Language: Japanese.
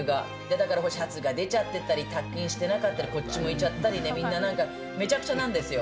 だからシャツが出ちゃってたり、タックインしてなかったり、こっち向いちゃったりで、みんなめちゃくちゃなんですよ。